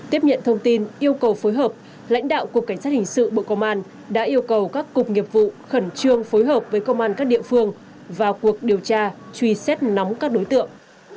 tiếp nhận thông tin yêu cầu phối hợp lãnh đạo cục cảnh sát hình sự bộ công an đã yêu cầu các cục nghiệp vụ khẩn trương phối hợp với công an các địa phương vào cuộc điều tra truy xét nóng các đối tượng